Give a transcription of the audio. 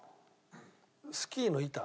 スキーの板。